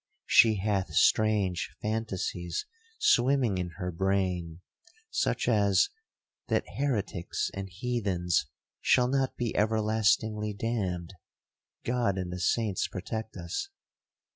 She hath strange fantasies swimming in her brain, such as, that heretics and heathens shall not be everlastingly damned—(God and the saints protect us!)